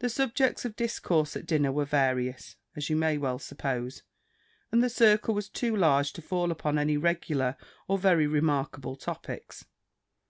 The subjects of discourse at dinner were various, as you may well suppose; and the circle was too large to fall upon any regular or very remarkable topics.